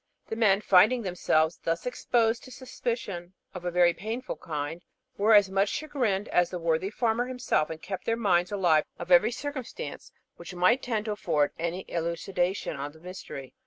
The men, finding themselves thus exposed to suspicions of a very painful kind, were as much chagrined as the worthy farmer himself, and kept their minds alive to every circumstance which might tend to afford any elucidation of the mystery.